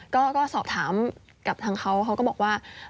ก็สอบถามกับทางเขาเขาก็บอกว่า